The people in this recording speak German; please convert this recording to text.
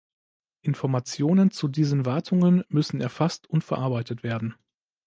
Informationen zu diesen Wartungen müssen erfasst und verarbeitet werden.